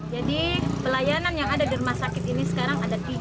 jadi pelayanan yang ada di rumah sakit ini sekarang ada tiga